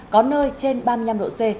có nơi trên ba mươi năm độ c